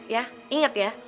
ya inget ya